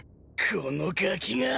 このガキが！